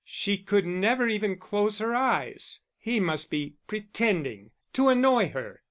She could never even close her eyes. He must be pretending to annoy her.